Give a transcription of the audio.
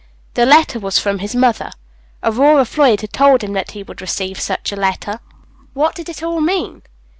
The letter was from his mother. Aurora Floyd had told him that he would receive such a letter. What did it all mean?